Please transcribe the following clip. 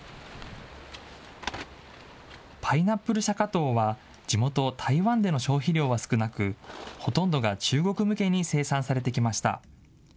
パイナップルシャカトウは、地元、台湾での消費量は少なく、ほとんどが中国向けに生産されてきました。